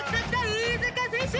飯塚選手！